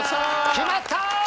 決まった！